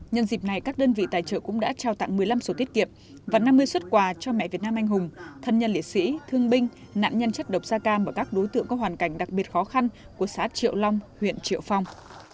nhân dịp này các đơn vị tài trợ cũng đã trao tặng một mươi năm sổ tiết kiệm và năm mươi xuất quà cho mẹ việt nam anh hùng thân nhân liệt sĩ thương binh nạn nhân chất độc da cam và các đối tượng có hoàn cảnh đặc biệt khó khăn của xã triệu long huyện triệu phong